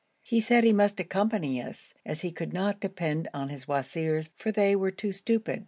He said he must accompany us, as he could not depend on his wazirs for they were too stupid.